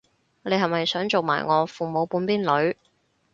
你係咪想做埋我父母半邊女